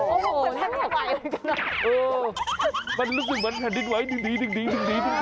โอ้โฮมันรู้สึกเหมือนแผ่นเป็นเดียวไหวดึง